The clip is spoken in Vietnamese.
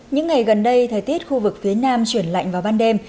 những ngày gần đây thời tiết khu vực phía nam chuyển lạnh vào ban đêm